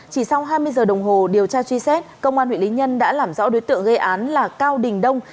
chỉ sau hai mươi giờ đồng hồ điều tra truy xét công an huyện lý nhân đã làm rõ đối tượng gây án là cao đình đông